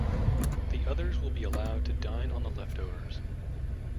The others will be allowed to dine on the leftovers.